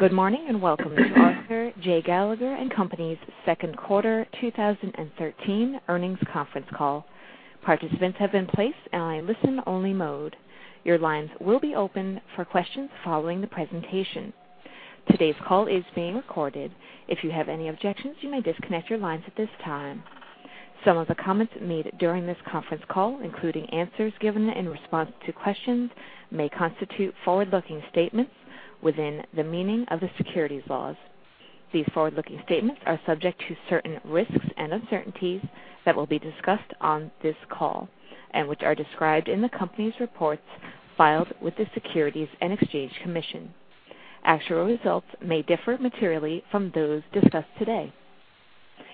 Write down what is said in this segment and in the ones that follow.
Good morning, welcome to Arthur J. Gallagher & Co.'s second quarter 2013 earnings conference call. Participants have been placed in a listen-only mode. Your lines will be open for questions following the presentation. Today's call is being recorded. If you have any objections, you may disconnect your lines at this time. Some of the comments made during this conference call, including answers given in response to questions, may constitute forward-looking statements within the meaning of the securities laws. These forward-looking statements are subject to certain risks and uncertainties that will be discussed on this call and which are described in the Company's reports filed with the Securities and Exchange Commission. Actual results may differ materially from those discussed today.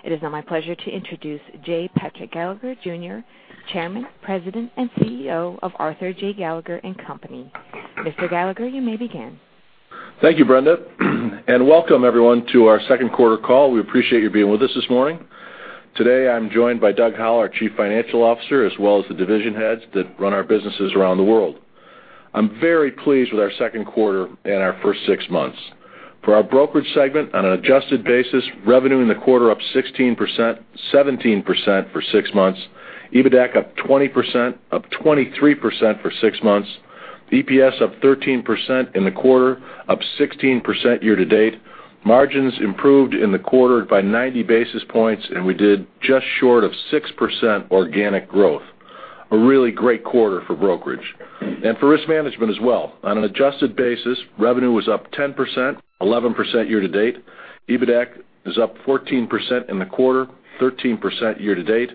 It is now my pleasure to introduce J. Patrick Gallagher Jr., Chairman, President, and CEO of Arthur J. Gallagher & Co.. Mr. Gallagher, you may begin. Thank you, Brenda, welcome everyone to our second quarter call. We appreciate you being with us this morning. Today, I'm joined by Doug Howell, our Chief Financial Officer, as well as the division heads that run our businesses around the world. I'm very pleased with our second quarter and our first six months. For our brokerage segment, on an adjusted basis, revenue in the quarter up 16%, 17% for six months, EBITDAC up 20%, up 23% for six months, EPS up 13% in the quarter, up 16% year-to-date. Margins improved in the quarter by 90 basis points, and we did just short of 6% organic growth. A really great quarter for brokerage and for risk management as well. On an adjusted basis, revenue was up 10%, 11% year-to-date. EBITDAC is up 14% in the quarter, 13% year-to-date.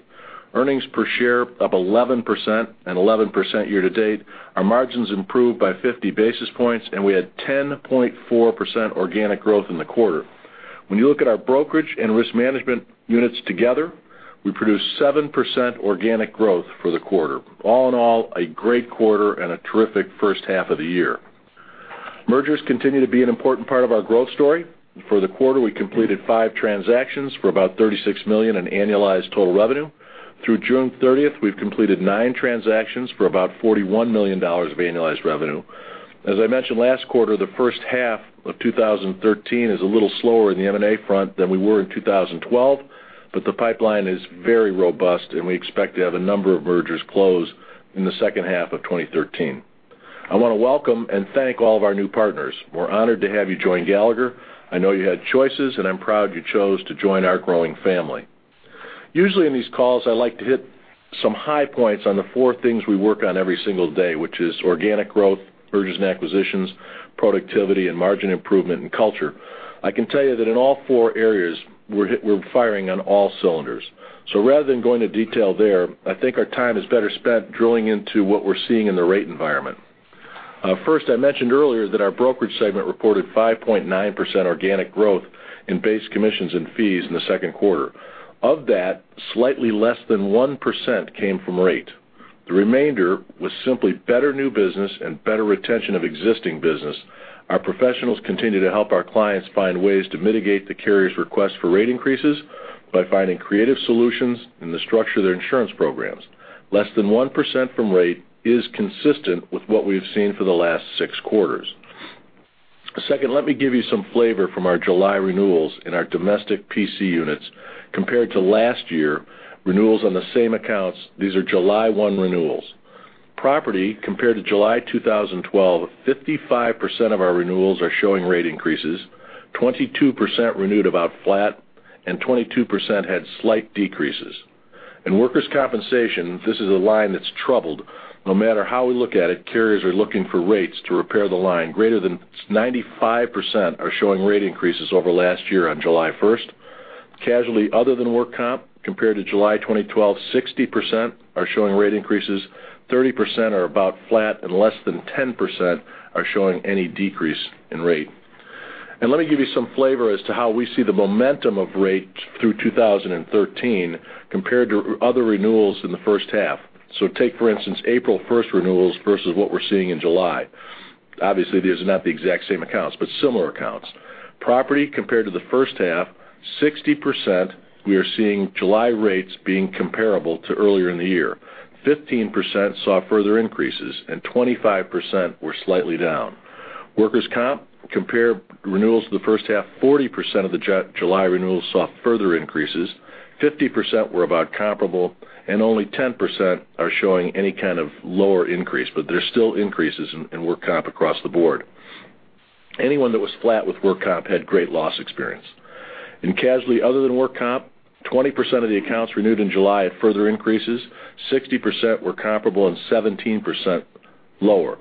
Earnings per share up 11% and 11% year-to-date. Our margins improved by 50 basis points, and we had 10.4% organic growth in the quarter. When you look at our brokerage and risk management units together, we produced 7% organic growth for the quarter. All in all, a great quarter and a terrific first half of the year. Mergers continue to be an important part of our growth story. For the quarter, we completed five transactions for about $36 million in annualized total revenue. Through June 30th, we've completed nine transactions for about $41 million of annualized revenue. As I mentioned last quarter, the first half of 2013 is a little slower in the M&A front than we were in 2012, but the pipeline is very robust, and we expect to have a number of mergers close in the second half of 2013. I want to welcome and thank all of our new partners. We're honored to have you join Gallagher. I know you had choices, and I'm proud you chose to join our growing family. Usually in these calls, I like to hit some high points on the four things we work on every single day, which is organic growth, mergers and acquisitions, productivity and margin improvement, and culture. I can tell you that in all four areas, we're firing on all cylinders. Rather than going to detail there, I think our time is better spent drilling into what we're seeing in the rate environment. First, I mentioned earlier that our brokerage segment reported 5.9% organic growth in base commissions and fees in the second quarter. Of that, slightly less than 1% came from rate. The remainder was simply better new business and better retention of existing business. Our professionals continue to help our clients find ways to mitigate the carrier's request for rate increases by finding creative solutions in the structure of their insurance programs. Less than 1% from rate is consistent with what we've seen for the last 6 quarters. Second, let me give you some flavor from our July renewals in our domestic PC units compared to last year, renewals on the same accounts. These are July 1 renewals. Property compared to July 2012, 55% of our renewals are showing rate increases, 22% renewed about flat, and 22% had slight decreases. In workers' compensation, this is a line that's troubled. No matter how we look at it, carriers are looking for rates to repair the line. Greater than 95% are showing rate increases over last year on July 1st. Casualty other than work comp, compared to July 2012, 60% are showing rate increases. 30% are about flat, and less than 10% are showing any decrease in rate. Let me give you some flavor as to how we see the momentum of rate through 2013 compared to other renewals in the first half. Take, for instance, April 1st renewals versus what we're seeing in July. Obviously, these are not the exact same accounts, but similar accounts. Property compared to the first half, 60%, we are seeing July rates being comparable to earlier in the year. 15% saw further increases, and 25% were slightly down. Workers' comp, compare renewals to the first half, 40% of the July renewals saw further increases, 50% were about comparable, and only 10% are showing any kind of lower increase, but there's still increases in work comp across the board. Anyone that was flat with work comp had great loss experience. In casualty other than work comp, 20% of the accounts renewed in July had further increases, 60% were comparable, and 17% lower.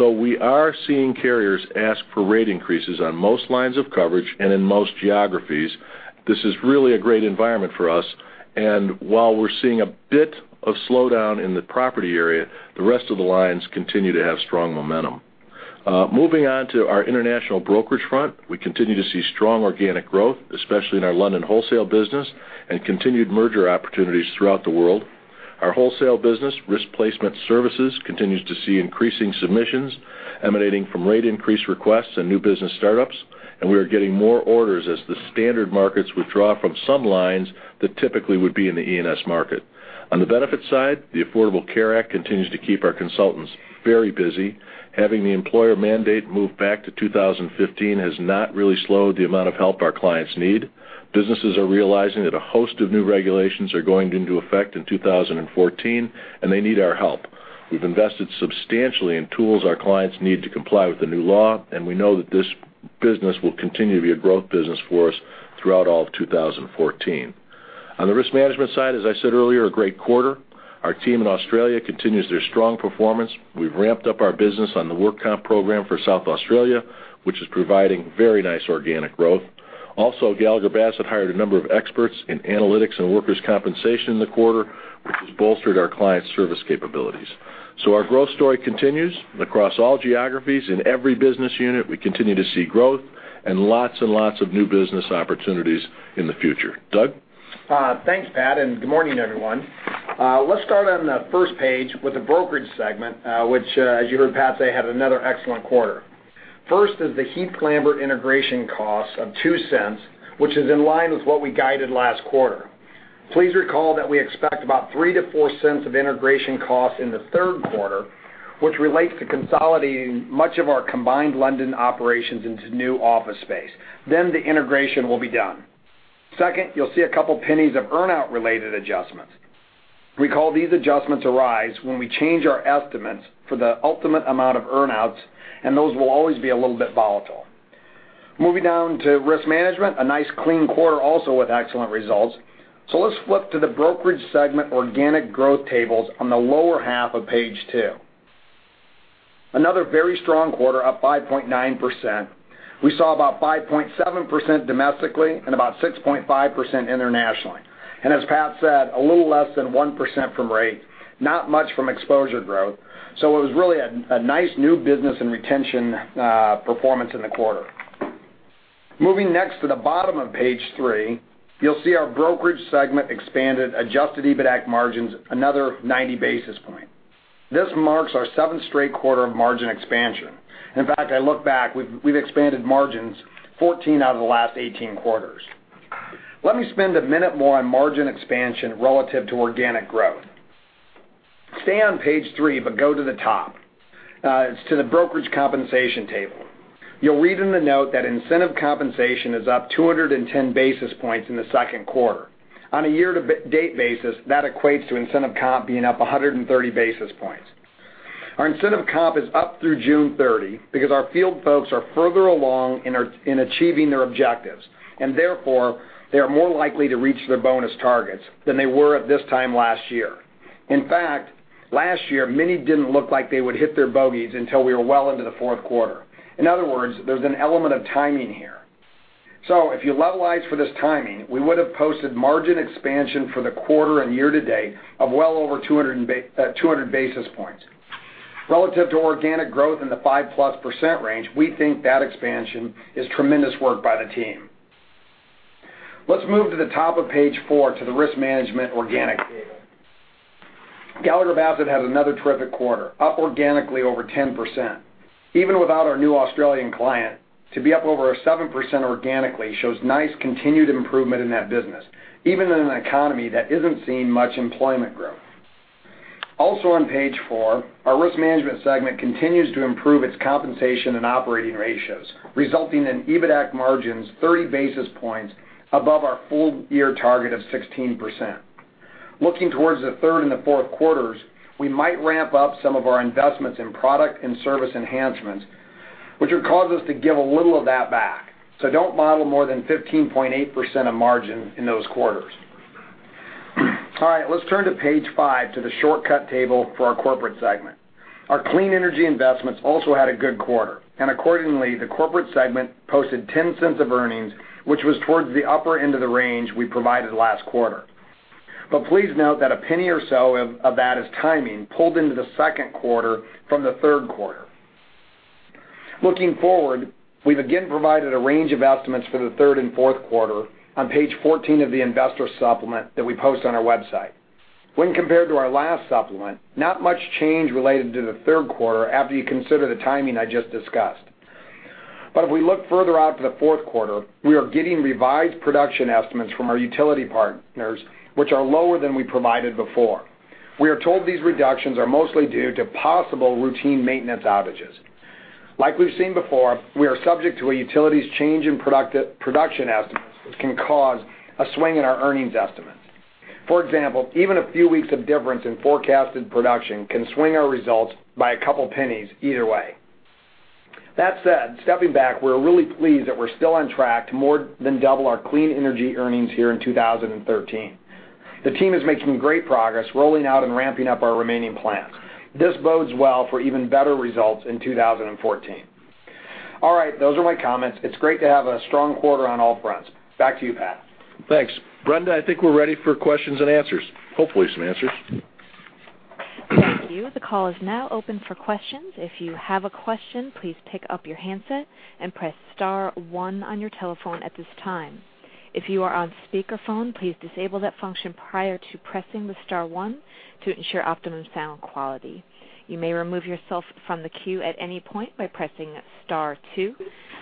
We are seeing carriers ask for rate increases on most lines of coverage and in most geographies. This is really a great environment for us, and while we're seeing a bit of slowdown in the property area, the rest of the lines continue to have strong momentum. Moving on to our international brokerage front, we continue to see strong organic growth, especially in our London wholesale business, and continued merger opportunities throughout the world. Our wholesale business, Risk Placement Services, continues to see increasing submissions emanating from rate increase requests and new business startups, and we are getting more orders as the standard markets withdraw from some lines that typically would be in the E&S market. On the benefits side, the Affordable Care Act continues to keep our consultants very busy. Having the employer mandate move back to 2015 has not really slowed the amount of help our clients need. Businesses are realizing that a host of new regulations are going into effect in 2014, and they need our help. We've invested substantially in tools our clients need to comply with the new law, and we know that this business will continue to be a growth business for us throughout all of 2014. On the risk management side, as I said earlier, a great quarter. Our team in Australia continues their strong performance. We've ramped up our business on the work comp program for South Australia, which is providing very nice organic growth. Also, Gallagher Bassett hired a number of experts in analytics and workers' compensation in the quarter, which has bolstered our client service capabilities. Our growth story continues across all geographies. In every business unit, we continue to see growth and lots and lots of new business opportunities in the future. Doug? Thanks, Pat, and good morning, everyone. Let's start on the first page with the brokerage segment, which, as you heard Pat say, had another excellent quarter. First is the Heath Lambert integration cost of $0.02, which is in line with what we guided last quarter. Please recall that we expect about $0.03-$0.04 of integration costs in the third quarter, which relates to consolidating much of our combined London operations into new office space. The integration will be done. Second, you'll see a couple of pennies of earn-out related adjustments. Recall these adjustments arise when we change our estimates for the ultimate amount of earn-outs, and those will always be a little bit volatile. Moving down to risk management, a nice clean quarter also with excellent results. Let's flip to the brokerage segment organic growth tables on the lower half of page two. Another very strong quarter, up 5.9%. We saw about 5.7% domestically and about 6.5% internationally. As Pat said, a little less than 1% from rate, not much from exposure growth. It was really a nice new business and retention performance in the quarter. Moving next to the bottom of page three, you'll see our brokerage segment expanded adjusted EBITDAC margins another 90 basis points. This marks our seventh straight quarter of margin expansion. In fact, I look back, we've expanded margins 14 out of the last 18 quarters. Let me spend a minute more on margin expansion relative to organic growth. Stay on page three, but go to the top to the brokerage compensation table. You'll read in the note that incentive compensation is up 210 basis points in the second quarter. On a year-to-date basis, that equates to incentive comp being up 130 basis points. Our incentive comp is up through June 30 because our field folks are further along in achieving their objectives, and therefore, they are more likely to reach their bonus targets than they were at this time last year. In fact, last year, many didn't look like they would hit their bogeys until we were well into the fourth quarter. In other words, there's an element of timing here. If you levelize for this timing, we would have posted margin expansion for the quarter and year-to-date of well over 200 basis points. Relative to organic growth in the five-plus percent range, we think that expansion is tremendous work by the team. Let's move to the top of page four to the risk management organic table. Gallagher Bassett had another terrific quarter, up organically over 10%. Even without our new Australian client, to be up over 7% organically shows nice continued improvement in that business, even in an economy that isn't seeing much employment growth. Also on page four, our risk management segment continues to improve its compensation and operating ratios, resulting in EBITDAC margins 30 basis points above our full-year target of 16%. Looking towards the third and the fourth quarters, we might ramp up some of our investments in product and service enhancements, which would cause us to give a little of that back. Don't model more than 15.8% of margin in those quarters. All right. Let's turn to page five to the shortcut table for our corporate segment. Our clean energy investments also had a good quarter, and accordingly, the corporate segment posted $0.10 of earnings, which was towards the upper end of the range we provided last quarter. Please note that $0.01 or so of that is timing pulled into the second quarter from the third quarter. Looking forward, we've again provided a range of estimates for the third and fourth quarter on page 14 of the investor supplement that we post on our website. When compared to our last supplement, not much change related to the third quarter after you consider the timing I just discussed. If we look further out to the fourth quarter, we are getting revised production estimates from our utility partners, which are lower than we provided before. We are told these reductions are mostly due to possible routine maintenance outages. Like we've seen before, we are subject to a utility's change in production estimates, which can cause a swing in our earnings estimates. For example, even a few weeks of difference in forecasted production can swing our results by a couple of $0.01 either way. That said, stepping back, we're really pleased that we're still on track to more than double our clean energy earnings here in 2013. The team is making great progress rolling out and ramping up our remaining plans. This bodes well for even better results in 2014. All right. Those are my comments. It's great to have a strong quarter on all fronts. Back to you, Pat. Thanks. Brenda, I think we're ready for questions and answers. Hopefully, some answers. Thank you. The call is now open for questions. If you have a question, please pick up your handset and press star one on your telephone at this time. If you are on speakerphone, please disable that function prior to pressing the star one to ensure optimum sound quality. You may remove yourself from the queue at any point by pressing star two.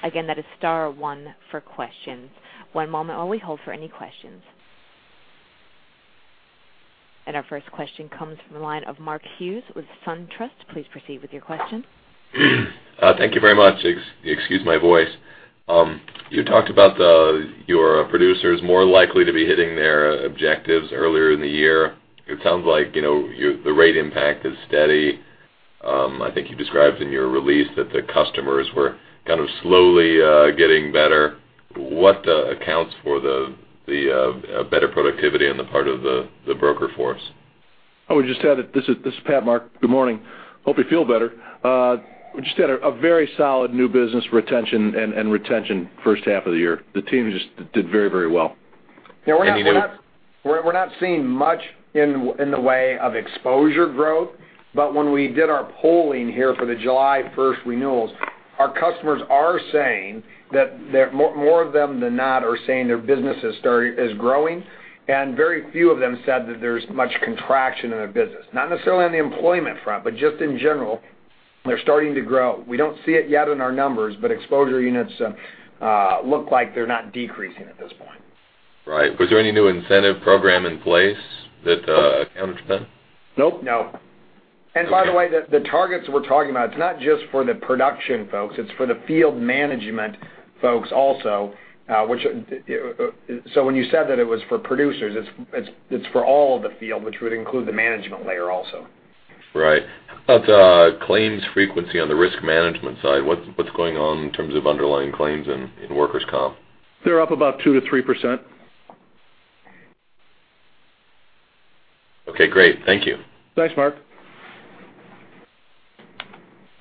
Again, that is star one for questions. One moment while we hold for any questions. Our first question comes from the line of Mark Hughes with SunTrust. Please proceed with your question. Thank you very much. Excuse my voice. You talked about your producers more likely to be hitting their objectives earlier in the year. It sounds like the rate impact is steady. I think you described in your release that the customers were kind of slowly getting better. What accounts for the better productivity on the part of the broker force? This is Pat, Mark. Good morning. Hope you feel better. We just had a very solid new business retention first half of the year. The team just did very well. Yeah, we're not seeing much in the way of exposure growth, but when we did our polling here for the July 1st renewals, more of them than not are saying their business is growing, and very few of them said that there's much contraction in their business, not necessarily on the employment front, but just in general, they're starting to grow. We don't see it yet in our numbers, but exposure units look like they're not decreasing at this point. Right. Was there any new incentive program in place that accounts, then? Nope. No. By the way, the targets we're talking about, it's not just for the production folks, it's for the field management folks also. When you said that it was for producers, it's for all of the field, which would include the management layer also. Right. How about claims frequency on the risk management side, what's going on in terms of underlying claims in workers' comp? They're up about 2%-3%. Okay, great. Thank you. Thanks, Mark.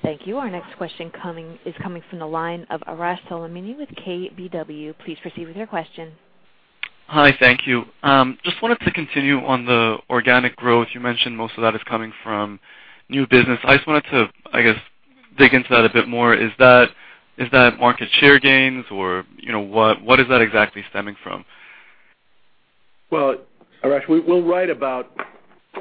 Thank you. Our next question is coming from the line of Arash Soleimani with KBW. Please proceed with your question. Hi, thank you. Just wanted to continue on the organic growth. You mentioned most of that is coming from new business. I just wanted to, I guess, dig into that a bit more. Is that market share gains or what is that exactly stemming from? Well, Arash, we'll write about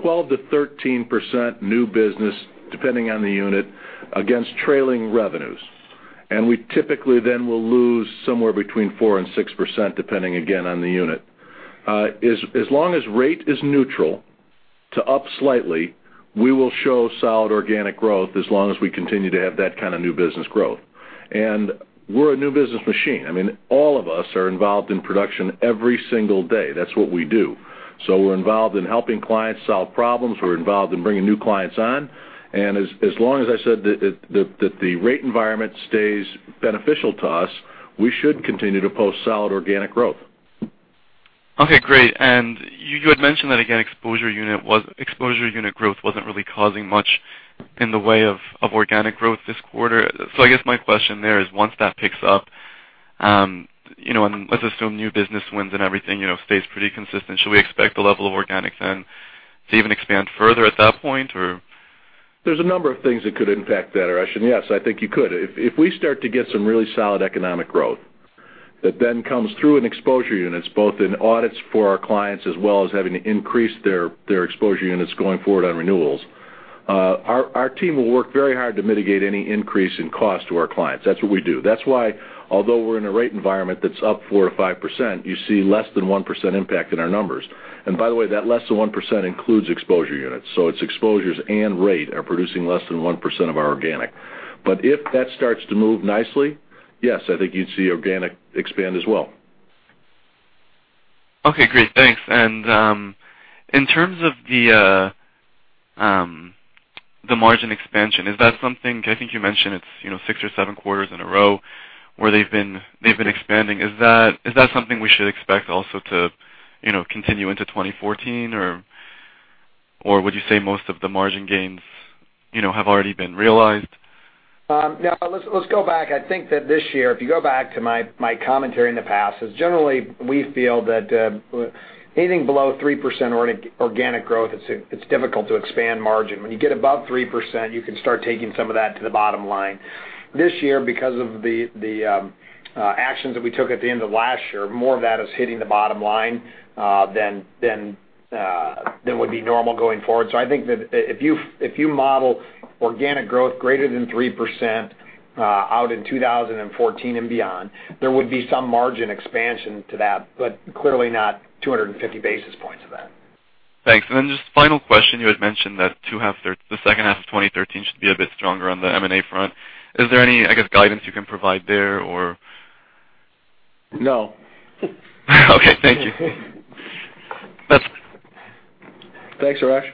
12%-13% new business, depending on the unit, against trailing revenues. We typically then will lose somewhere between 4%-6%, depending, again, on the unit. As long as rate is neutral to up slightly, we will show solid organic growth as long as we continue to have that kind of new business growth. We're a new business machine. I mean, all of us are involved in production every single day. That's what we do. We're involved in helping clients solve problems. We're involved in bringing new clients on. As long as I said that the rate environment stays beneficial to us, we should continue to post solid organic growth. Okay, great. You had mentioned that, again, exposure unit growth wasn't really causing much in the way of organic growth this quarter. I guess my question there is, once that picks up, and let's assume new business wins and everything stays pretty consistent, should we expect the level of organic then to even expand further at that point, or? There's a number of things that could impact that, Arash. Yes, I think you could. If we start to get some really solid economic growth that then comes through in exposure units, both in audits for our clients as well as having increased their exposure units going forward on renewals, our team will work very hard to mitigate any increase in cost to our clients. That's what we do. That's why although we're in a rate environment that's up 4% or 5%, you see less than 1% impact in our numbers. By the way, that less than 1% includes exposure units, so it's exposures and rate are producing less than 1% of our organic. If that starts to move nicely, yes, I think you'd see organic expand as well. Okay, great. Thanks. In terms of the margin expansion, I think you mentioned it's six or seven quarters in a row where they've been expanding. Is that something we should expect also to continue into 2014, or would you say most of the margin gains have already been realized? Let's go back. I think that this year, if you go back to my commentary in the past, is generally we feel that anything below 3% organic growth, it's difficult to expand margin. When you get above 3%, you can start taking some of that to the bottom line. This year because of the actions that we took at the end of last year, more of that is hitting the bottom line than would be normal going forward. I think that if you model organic growth greater than 3% out in 2014 and beyond, there would be some margin expansion to that, but clearly not 250 basis points of that. Thanks. Just final question, you had mentioned that the second half of 2013 should be a bit stronger on the M&A front. Is there any, I guess, guidance you can provide there or? No. Okay, thank you. Thanks, Arash.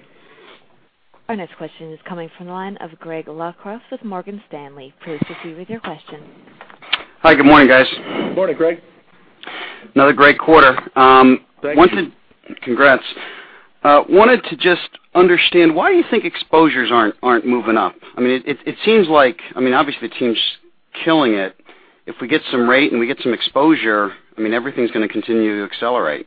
Our next question is coming from the line of Greg Locraft with Morgan Stanley. Please proceed with your question. Hi, good morning, guys. Morning, Greg. Another great quarter. Thank you. Congrats. I wanted to just understand why you think exposures aren't moving up. I mean, obviously the team's killing it. If we get some rate and we get some exposure, everything's going to continue to accelerate.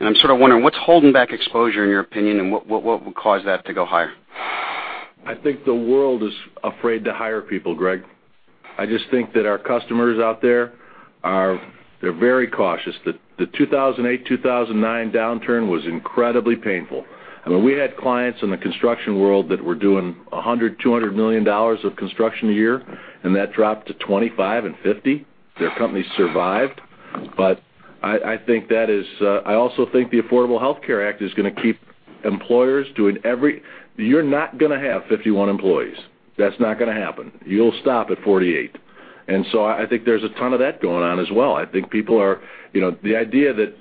I'm sort of wondering what's holding back exposure in your opinion, and what would cause that to go higher? I think the world is afraid to hire people, Greg. I just think that our customers out there are very cautious. The 2008, 2009 downturn was incredibly painful. We had clients in the construction world that were doing $100 million, $200 million of construction a year, and that dropped to $25 and $50. Their companies survived. I also think the Affordable Care Act is going to keep employers doing. You're not going to have 51 employees. That's not going to happen. You'll stop at 48. I think there's a ton of that going on as well. The idea that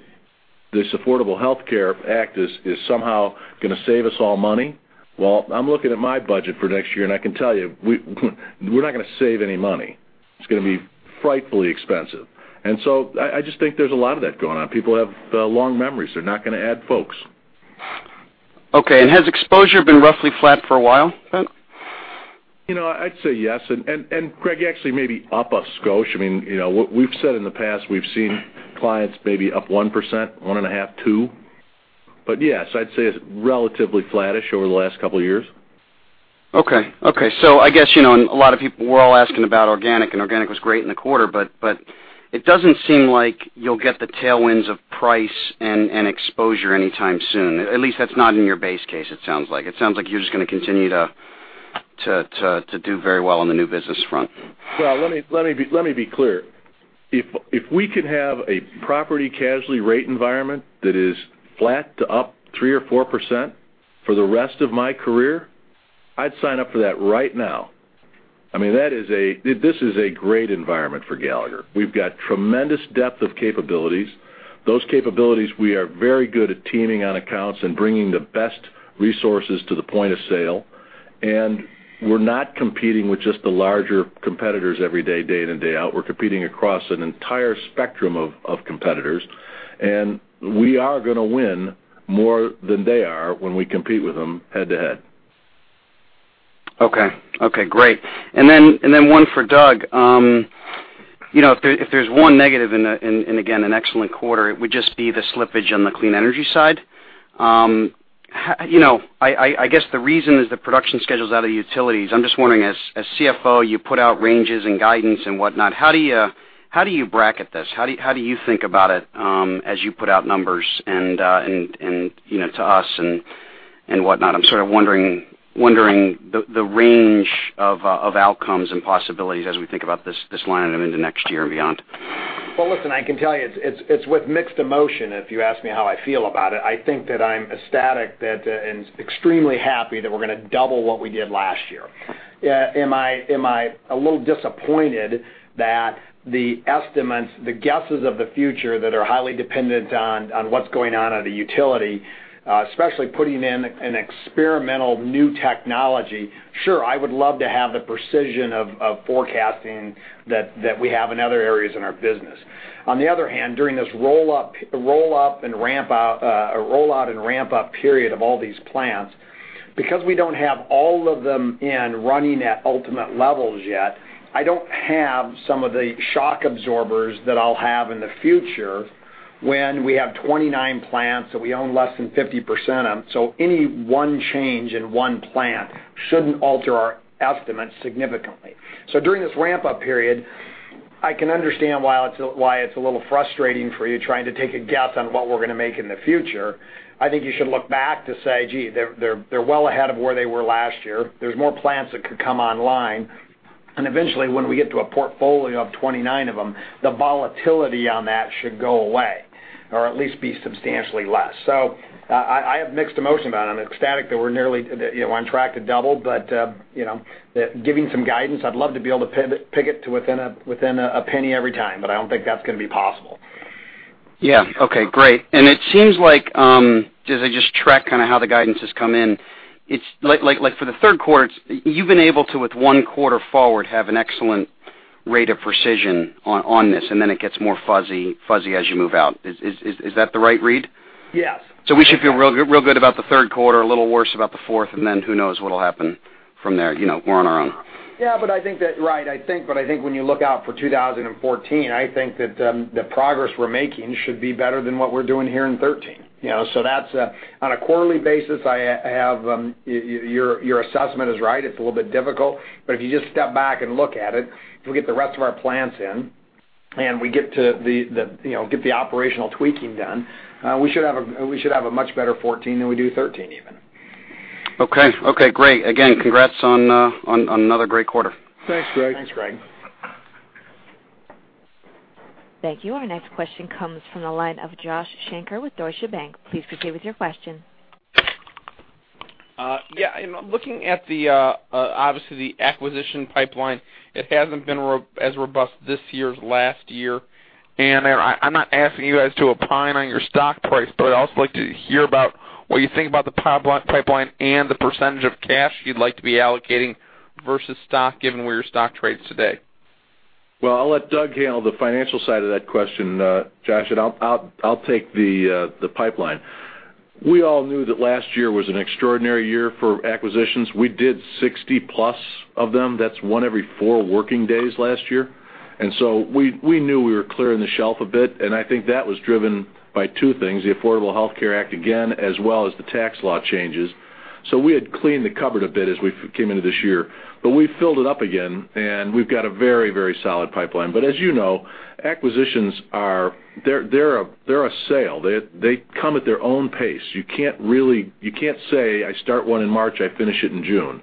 this Affordable Care Act is somehow going to save us all money. Well, I'm looking at my budget for next year, and I can tell you, we're not going to save any money. It's going to be frightfully expensive. I just think there's a lot of that going on. People have long memories. They're not going to add folks. Okay, has exposure been roughly flat for a while, then? I'd say yes. Greg, actually maybe up a skosh. What we've said in the past, we've seen clients maybe up 1%, one and a half, two. Yes, I'd say it's relatively flattish over the last couple of years. Okay. I guess, a lot of people were all asking about organic, and organic was great in the quarter, but it doesn't seem like you'll get the tailwinds of price and exposure anytime soon. At least that's not in your base case, it sounds like. It sounds like you're just going to continue to do very well on the new business front. Well, let me be clear. If we could have a property casualty rate environment that is flat to up 3% or 4% for the rest of my career, I'd sign up for that right now. This is a great environment for Gallagher. We've got tremendous depth of capabilities. Those capabilities, we are very good at teaming on accounts and bringing the best resources to the point of sale. We're not competing with just the larger competitors every day in and day out. We're competing across an entire spectrum of competitors, we are going to win more than they are when we compete with them head-to-head. Okay, great. Then, one for Doug. If there's one negative in, again, an excellent quarter, it would just be the slippage on the clean energy side. I guess the reason is the production schedule's out of the utilities. I'm just wondering, as CFO, you put out ranges and guidance and whatnot. How do you bracket this? How do you think about it as you put out numbers to us and whatnot? I'm sort of wondering the range of outcomes and possibilities as we think about this line item into next year and beyond. Well, listen, I can tell you, it's with mixed emotion, if you ask me how I feel about it. I think that I'm ecstatic and extremely happy that we're going to double what we did last year. Am I a little disappointed that the estimates, the guesses of the future that are highly dependent on what's going on at a utility, especially putting in an experimental new technology? Sure, I would love to have the precision of forecasting that we have in other areas in our business. On the other hand, during this roll-out and ramp-up period of all these plans, because we don't have all of them in running at ultimate levels yet, I don't have some of the shock absorbers that I'll have in the future when we have 29 plants that we own less than 50% of. Any one change in one plant shouldn't alter our estimates significantly. During this ramp-up period, I can understand why it's a little frustrating for you trying to take a guess on what we're going to make in the future. I think you should look back to say, gee, they're well ahead of where they were last year. There's more plants that could come online. Eventually, when we get to a portfolio of 29 of them, the volatility on that should go away, or at least be substantially less. I have mixed emotions about it. I'm ecstatic that we're on track to double, but giving some guidance, I'd love to be able to pick it to within a penny every time, but I don't think that's going to be possible. Yeah. Okay, great. It seems like, as I just track kind of how the guidance has come in, for the third quarter, you've been able to, with one quarter forward, have an excellent rate of precision on this, and then it gets more fuzzy as you move out. Is that the right read? Yes. We should feel real good about the third quarter, a little worse about the fourth, and then who knows what'll happen from there. We're on our own. Yeah, I think that, right. I think when you look out for 2014, I think that the progress we're making should be better than what we're doing here in 2013. On a quarterly basis, your assessment is right. It's a little bit difficult. If you just step back and look at it, if we get the rest of our plants in and we get the operational tweaking done, we should have a much better 2014 than we do 2013, even. Okay, great. Again, congrats on another great quarter. Thanks, Greg. Thanks, Greg. Thank you. Our next question comes from the line of Joshua Shanker with Deutsche Bank. Please proceed with your question. Yeah, looking at obviously the acquisition pipeline, it hasn't been as robust this year as last year. I'm not asking you guys to opine on your stock price, but I'd also like to hear about what you think about the pipeline and the percentage of cash you'd like to be allocating versus stock, given where your stock trades today. Well, I'll let Doug handle the financial side of that question, Josh, and I'll take the pipeline. We all knew that last year was an extraordinary year for acquisitions. We did 60+ of them. That's one every four working days last year. We knew we were clearing the shelf a bit, and I think that was driven by two things, the Affordable Care Act, again, as well as the tax law changes. We had cleaned the cupboard a bit as we came into this year, but we filled it up again, and we've got a very solid pipeline. As you know, acquisitions, they're a sale. They come at their own pace. You can't say, "I start one in March, I finish it in June."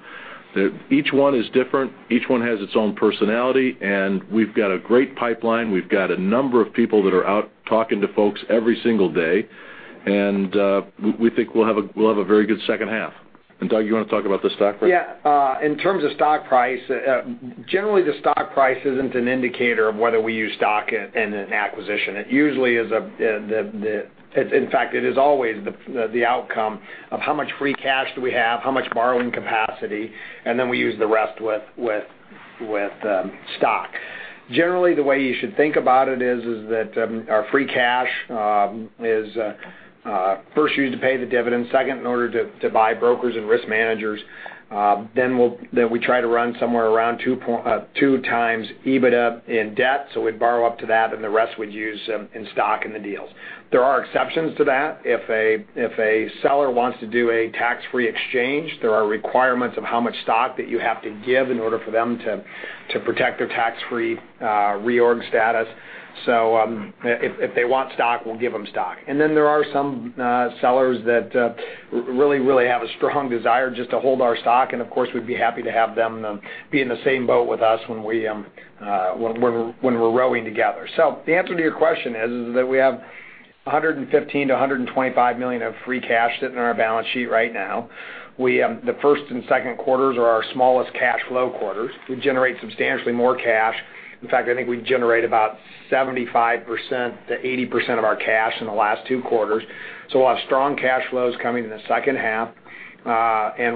Each one is different. Each one has its own personality, and we've got a great pipeline. We've got a number of people that are out talking to folks every single day, and we think we'll have a very good second half. Doug, you want to talk about the stock price? Yeah. In terms of stock price, generally, the stock price isn't an indicator of whether we use stock in an acquisition. In fact, it is always the outcome of how much free cash do we have, how much borrowing capacity, and then we use the rest with stock. Generally, the way you should think about it is that our free cash is first used to pay the dividends, second in order to buy brokers and risk managers. We try to run somewhere around two times EBITDA in debt. We'd borrow up to that, and the rest we'd use in stock in the deals. There are exceptions to that. If a seller wants to do a tax-free exchange, there are requirements of how much stock that you have to give in order for them to protect their tax-free reorg status. If they want stock, we'll give them stock. There are some sellers that really have a strong desire just to hold our stock, and of course, we'd be happy to have them be in the same boat with us when we're rowing together. The answer to your question is that we have $115 million-$125 million of free cash sitting in our balance sheet right now. The first and second quarters are our smallest cash flow quarters. We generate substantially more cash. In fact, I think we generate about 75%-80% of our cash in the last two quarters. We'll have strong cash flows coming in the second half.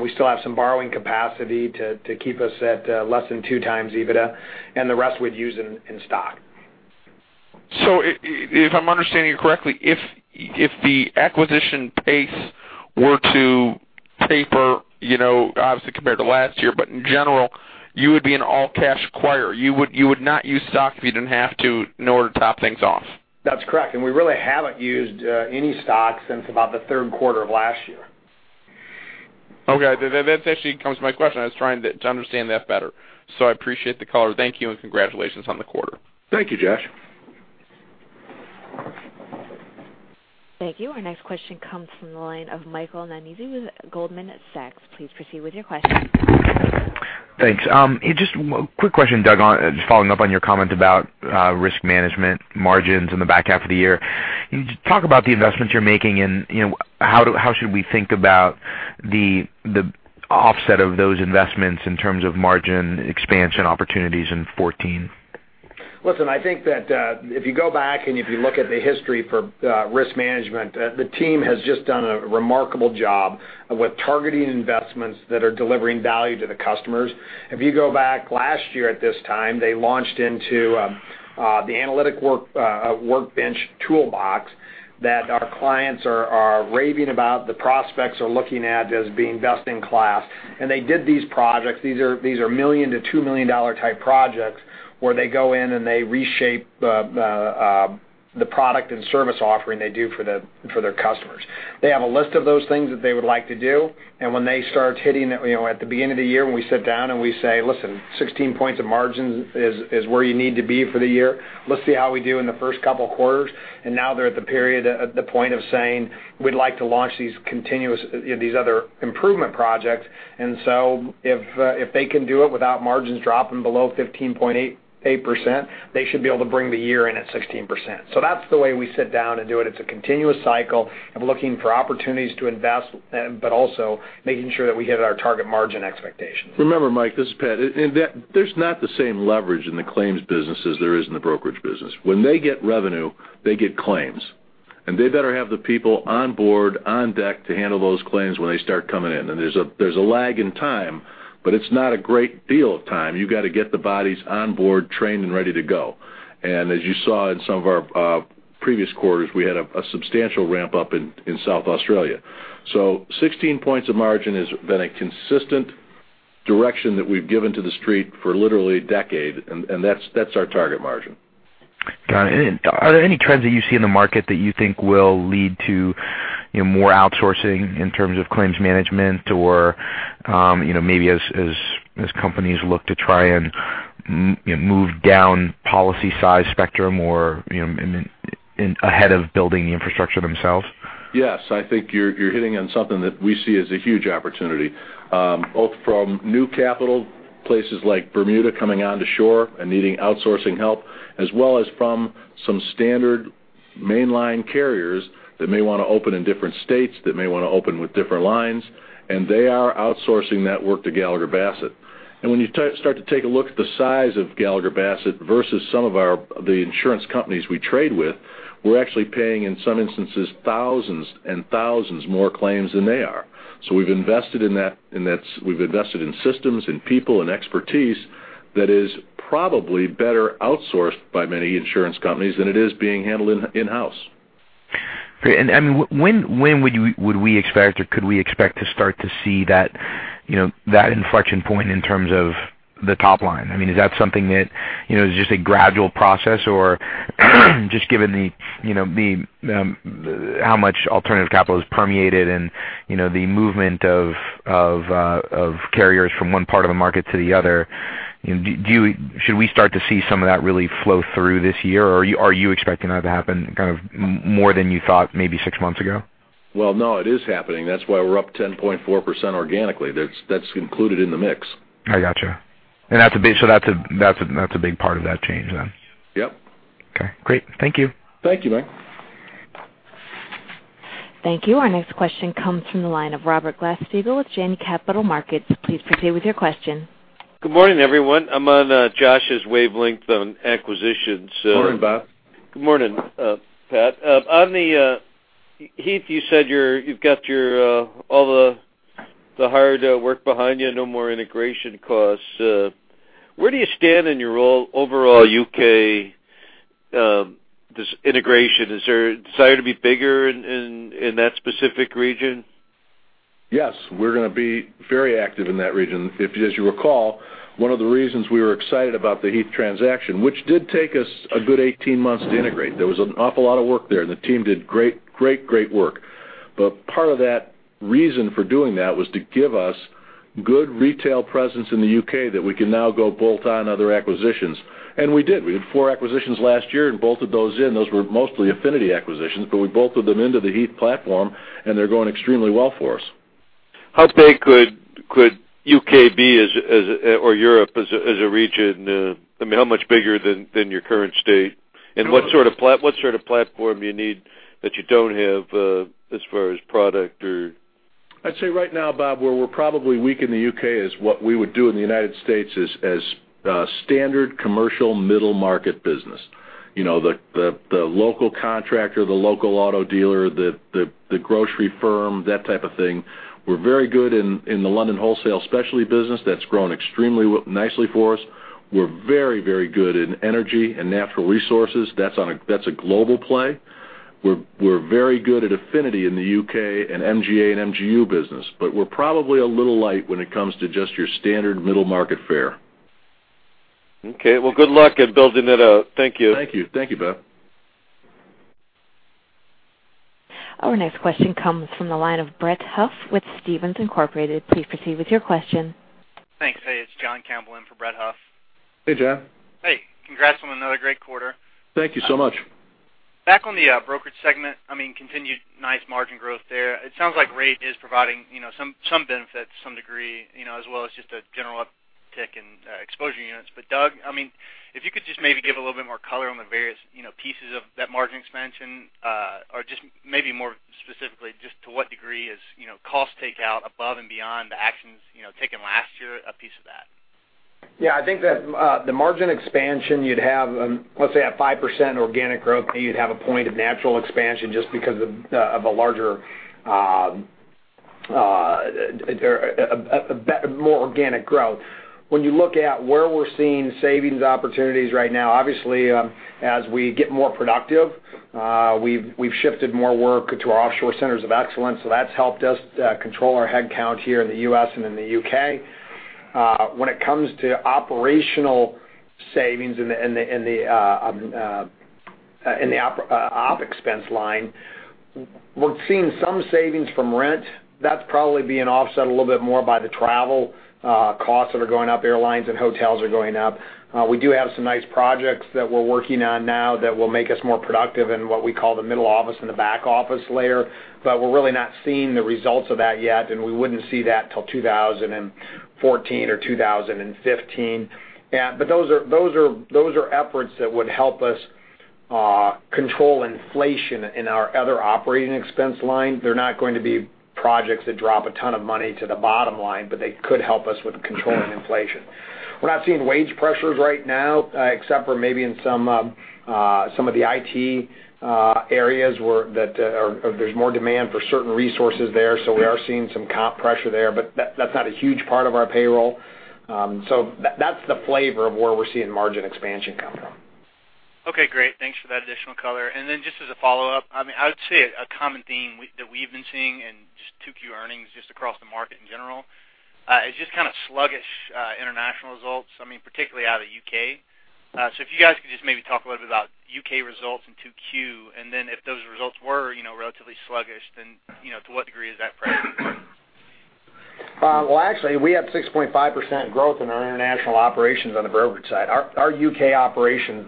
We still have some borrowing capacity to keep us at less than two times EBITDA, and the rest we'd use in stock. If I'm understanding you correctly, if the acquisition pace were to taper, obviously compared to last year, but in general, you would be an all-cash acquirer. You would not use stock if you didn't have to in order to top things off. That's correct. We really haven't used any stock since about the third quarter of last year. Okay. That actually comes to my question. I was trying to understand that better. I appreciate the color. Thank you, and congratulations on the quarter. Thank you, Josh. Thank you. Our next question comes from the line of Michael Nannizzi with Goldman Sachs. Please proceed with your question. Thanks. Just quick question, Doug, just following up on your comment about risk management margins in the back half of the year. Can you just talk about the investments you're making and how should we think about the offset of those investments in terms of margin expansion opportunities in 2014? Listen, I think that if you go back and if you look at the history for risk management, the team has just done a remarkable job with targeting investments that are delivering value to the customers. If you go back last year at this time, they launched into the analytic workbench toolbox that our clients are raving about, the prospects are looking at as being best in class. They did these projects. These are $1 million-$2 million type projects where they go in and they reshape the product and service offering they do for their customers. They have a list of those things that they would like to do, and when they start hitting at the beginning of the year, when we sit down and we say, "Listen, 16 points of margins is where you need to be for the year. Let's see how we do in the first couple of quarters." Now they're at the point of saying, "We'd like to launch these other improvement projects." If they can do it without margins dropping below 15.8%, they should be able to bring the year in at 16%. That's the way we sit down and do it. It's a continuous cycle of looking for opportunities to invest, but also making sure that we hit our target margin expectations. Remember, Mike, this is Pat. There's not the same leverage in the claims business as there is in the brokerage business. When they get revenue, they get claims, and they better have the people on board, on deck to handle those claims when they start coming in. There's a lag in time, but it's not a great deal of time. You got to get the bodies on board, trained, and ready to go. As you saw in some of our previous quarters, we had a substantial ramp-up in South Australia. 16 points of margin has been a consistent direction that we've given to the street for literally a decade, and that's our target margin. Got it. Are there any trends that you see in the market that you think will lead to more outsourcing in terms of claims management or maybe as companies look to try and move down policy size spectrum or ahead of building the infrastructure themselves? Yes, I think you're hitting on something that we see as a huge opportunity, both from new capital places like Bermuda coming onto shore and needing outsourcing help, as well as from some standard mainline carriers that may want to open in different states, that may want to open with different lines, and they are outsourcing that work to Gallagher Bassett. When you start to take a look at the size of Gallagher Bassett versus some of the insurance companies we trade with, we're actually paying, in some instances, thousands and thousands more claims than they are. We've invested in systems, in people, and expertise. That is probably better outsourced by many insurance companies than it is being handled in-house. Great. When would we expect, or could we expect to start to see that inflection point in terms of the top line? Is that something that is just a gradual process or just given how much alternative capital has permeated and the movement of carriers from one part of the market to the other, should we start to see some of that really flow through this year? Or are you expecting that to happen kind of more than you thought maybe six months ago? Well, no, it is happening. That's why we're up 10.4% organically. That's included in the mix. I got you. That's a big part of that change then. Yep. Okay, great. Thank you. Thank you, Mike. Thank you. Our next question comes from the line of Robert Glasspiegel with Janney Montgomery Scott. Please proceed with your question. Good morning, everyone. I'm on Josh's wavelength on acquisitions. Morning, Bob. Good morning, Pat. Heath, you said you've got all the hard work behind you, no more integration costs. Where do you stand in your overall U.K. integration? Is there a desire to be bigger in that specific region? Yes, we're going to be very active in that region. If, as you recall, one of the reasons we were excited about the Heath transaction, which did take us a good 18 months to integrate. There was an awful lot of work there, and the team did great work. Part of that reason for doing that was to give us good retail presence in the U.K. that we can now go bolt on other acquisitions. We did. We did four acquisitions last year and bolted those in. Those were mostly affinity acquisitions, but we bolted them into the Heath platform, and they're going extremely well for us. How big could U.K. be, or Europe as a region? How much bigger than your current state? What sort of platform you need that you don't have as far as product or? I'd say right now, Bob, where we're probably weak in the U.K. is what we would do in the U.S. as standard commercial middle market business. The local contractor, the local auto dealer, the grocery firm, that type of thing. We're very good in the London wholesale specialty business. That's grown extremely nicely for us. We're very good in energy and natural resources. That's a global play. We're very good at affinity in the U.K. and MGA and MGU business. We're probably a little light when it comes to just your standard middle market fare. Okay. Well, good luck at building it out. Thank you. Thank you, Bob. Our next question comes from the line of Brett Huff with Stephens Inc. Please proceed with your question. Thanks. Hey, it's John Campbell in for Brett Huff. Hey, John. Hey. Congrats on another great quarter. Thank you so much. Back on the brokerage segment, continued nice margin growth there. It sounds like rate is providing some benefits, some degree, as well as just a general uptick in exposure units. Doug, if you could just maybe give a little bit more color on the various pieces of that margin expansion, or just maybe more specifically, just to what degree is cost takeout above and beyond the actions taken last year, a piece of that? Yeah, I think that the margin expansion you'd have, let's say at 5% organic growth, you'd have a point of natural expansion just because of a larger, more organic growth. When you look at where we're seeing savings opportunities right now, obviously, as we get more productive, we've shifted more work to our offshore centers of excellence, so that's helped us control our headcount here in the U.S. and in the U.K. When it comes to operational savings in the OpEx line, we're seeing some savings from rent. That's probably being offset a little bit more by the travel costs that are going up. Airlines and hotels are going up. We do have some nice projects that we're working on now that will make us more productive in what we call the middle office and the back office layer. We're really not seeing the results of that yet. We wouldn't see that till 2014 or 2015. Those are efforts that would help us control inflation in our other operating expense line. They're not going to be projects that drop a ton of money to the bottom line, but they could help us with controlling inflation. We're not seeing wage pressures right now except for maybe in some of the IT areas where there's more demand for certain resources there. We are seeing some comp pressure there, but that's not a huge part of our payroll. That's the flavor of where we're seeing margin expansion come from. Okay, great. Thanks for that additional color. Just as a follow-up, I would say a common theme that we've been seeing in just 2Q earnings just across the market in general is just kind of sluggish international results, particularly out of U.K. If you guys could just maybe talk a little bit about U.K. results in 2Q, if those results were relatively sluggish, to what degree is that priced in? Well, actually, we have 6.5% growth in our international operations on the brokerage side. Our U.K. operations,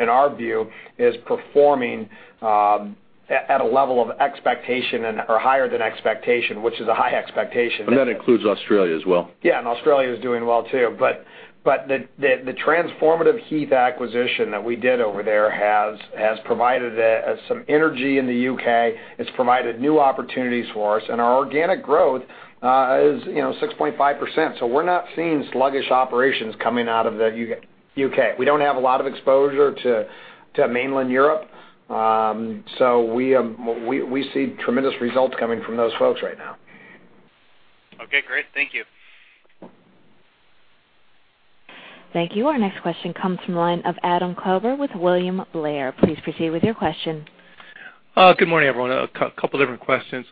in our view, is performing at a level of expectation or higher than expectation, which is a high expectation. That includes Australia as well. Yeah, Australia is doing well, too. The transformative Heath acquisition that we did over there has provided some energy in the U.K. It's provided new opportunities for us, our organic growth is 6.5%. We're not seeing sluggish operations coming out of the U.K. We don't have a lot of exposure to mainland Europe. We see tremendous results coming from those folks right now. Okay, great. Thank you. Thank you. Our next question comes from the line of Adam Klauber with William Blair. Please proceed with your question. Good morning, everyone. A couple different questions.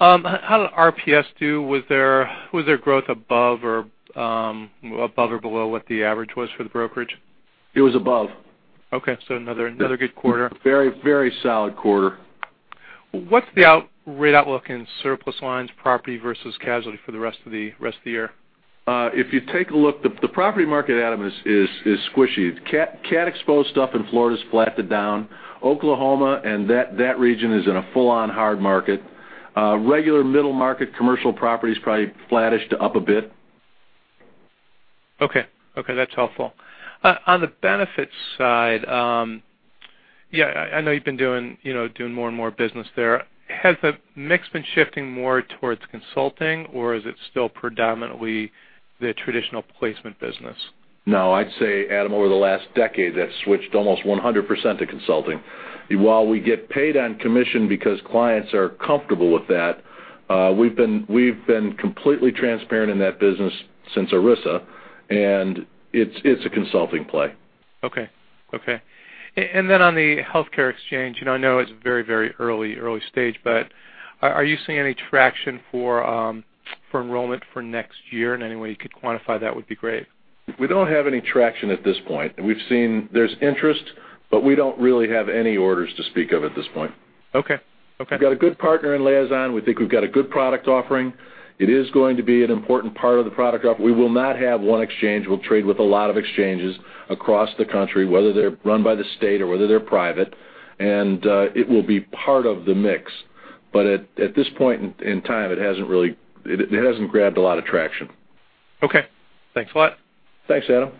How did RPS do? Was their growth above or below what the average was for the brokerage? It was above. Okay, another good quarter. Very solid quarter. What's the rate outlook in surplus lines, property versus casualty, for the rest of the year? If you take a look, the property market, Adam, is squishy. Cat-exposed stuff in Florida's flatted down. Oklahoma and that region is in a full-on hard market. Regular middle market commercial property's probably flattish to up a bit. Okay. That's helpful. On the benefits side, I know you've been doing more and more business there. Has the mix been shifting more towards consulting, or is it still predominantly the traditional placement business? No, I'd say, Adam, over the last decade, that's switched almost 100% to consulting. While we get paid on commission because clients are comfortable with that, we've been completely transparent in that business since ERISA, and it's a consulting play. Okay. On the healthcare exchange, and I know it's very early stage, but are you seeing any traction for enrollment for next year? Any way you could quantify that would be great. We don't have any traction at this point. We've seen there's interest, but we don't really have any orders to speak of at this point. Okay. We've got a good partner in Liazon. We think we've got a good product offering. It is going to be an important part of the product offering. We will not have one exchange. We'll trade with a lot of exchanges across the country, whether they're run by the state or whether they're private, and it will be part of the mix. At this point in time, it hasn't grabbed a lot of traction. Okay. Thanks a lot. Thanks, Adam.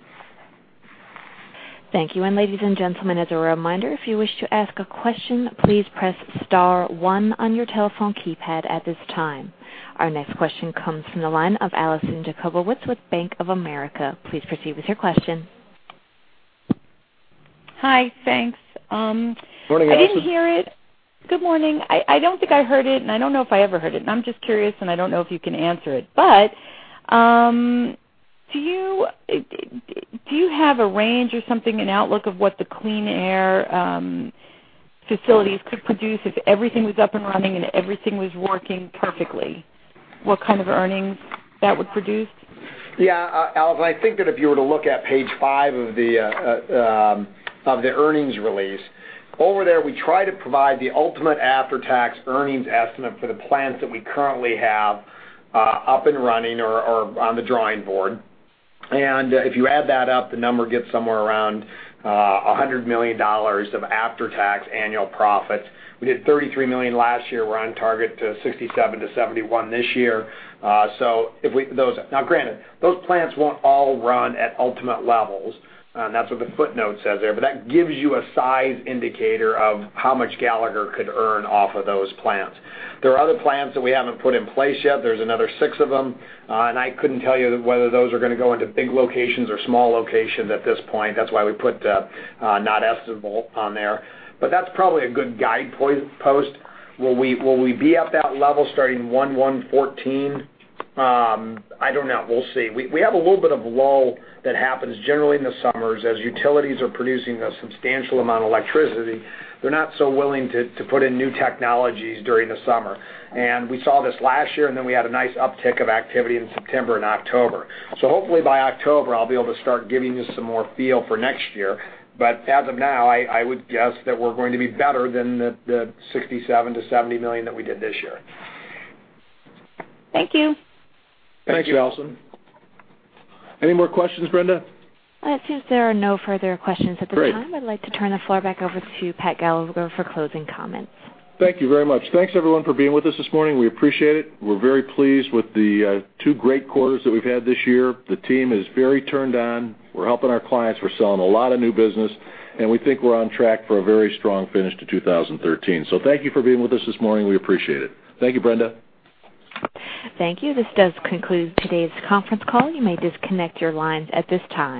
Thank you. Ladies and gentlemen, as a reminder, if you wish to ask a question, please press *1 on your telephone keypad at this time. Our next question comes from the line of Alison Jacobowitz with Bank of America. Please proceed with your question. Hi. Thanks. Morning, Alison. I didn't hear it. Good morning. I don't think I heard it, and I don't know if I ever heard it, and I'm just curious, and I don't know if you can answer it. Do you have a range or something, an outlook of what the clean air facilities could produce if everything was up and running and everything was working perfectly? What kind of earnings that would produce? Yeah, Alison, I think that if you were to look at page five of the earnings release, over there, we try to provide the ultimate after-tax earnings estimate for the plants that we currently have up and running or on the drawing board. If you add that up, the number gets somewhere around $100 million of after-tax annual profits. We did $33 million last year. We're on target to $67 million-$71 million this year. Now granted, those plants won't all run at ultimate levels. That's what the footnote says there. That gives you a size indicator of how much Gallagher could earn off of those plants. There are other plants that we haven't put in place yet. There's another six of them. I couldn't tell you whether those are going to go into big locations or small locations at this point. That's why we put, "Not estimable" on there. That's probably a good guidepost. Will we be at that level starting 01/01/2014? I don't know. We'll see. We have a little bit of a lull that happens generally in the summers. As utilities are producing a substantial amount of electricity, they're not so willing to put in new technologies during the summer. We saw this last year, then we had a nice uptick of activity in September and October. Hopefully by October, I'll be able to start giving you some more feel for next year. As of now, I would guess that we're going to be better than the $67 million-$70 million that we did this year. Thank you. Thank you, Alison. Any more questions, Brenda? It seems there are no further questions at this time. Great. I'd like to turn the floor back over to Pat Gallagher for closing comments. Thank you very much. Thanks, everyone, for being with us this morning. We appreciate it. We're very pleased with the two great quarters that we've had this year. The team is very turned on. We're helping our clients. We're selling a lot of new business. We think we're on track for a very strong finish to 2013. Thank you for being with us this morning. We appreciate it. Thank you, Brenda. Thank you. This does conclude today's conference call. You may disconnect your lines at this time.